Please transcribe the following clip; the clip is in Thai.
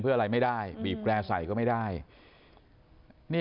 เพื่ออะไรไม่ได้บีบแกร่ใส่ก็ไม่ได้นี่